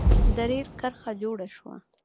د رېل کرښه جوړه شوه.